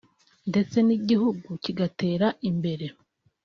ndetse n’igihugu kigatera imbere